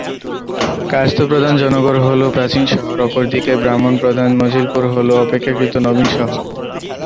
কায়স্থ প্রধান জয়নগর হল প্রাচীন শহর, অপরদিকে ব্রাহ্মণ প্রধান মজিলপুর হল অপেক্ষাকৃত নবীন শহর।